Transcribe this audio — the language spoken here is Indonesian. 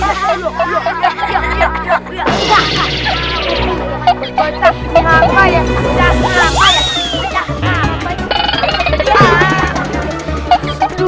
ah "unjuk kamu ini